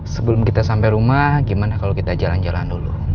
sebelum kita sampai rumah gimana kalau kita jalan jalan dulu